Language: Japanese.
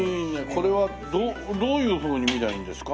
これはどういうふうに見ればいいんですか？